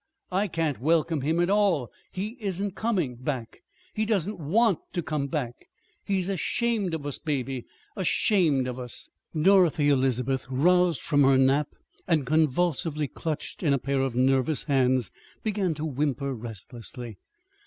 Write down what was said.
I can't welcome him at all. He isn't coming back. He doesn't want to come back. He's ashamed of us, Baby, ashamed of us!" Dorothy Elizabeth, roused from her nap and convulsively clutched in a pair of nervous hands, began to whimper restlessly.